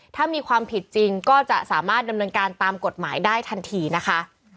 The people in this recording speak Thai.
ถ้ามีความผิดจริงก็จะสามารถดำเนินการตามกฎหมายได้ทันทีนะคะ